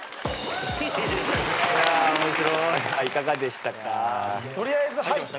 いかがでしたか？